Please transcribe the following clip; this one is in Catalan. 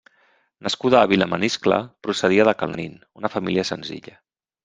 Nascut a Vilamaniscle, procedia de Cal Nin, una família senzilla.